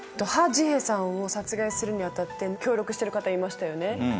ハ・ジヘさんを殺害するに当たって協力してる方いましたよね。